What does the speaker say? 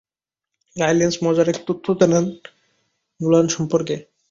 রায়লেন্স মজার এক তথ্য জানান নোলান সম্পর্কে।